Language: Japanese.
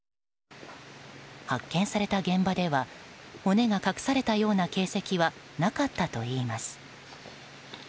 発見された現場では骨が隠されたような形跡はなかったといいます。